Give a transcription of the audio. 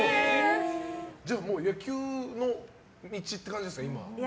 じゃあもう野球の道って感じですか、今は。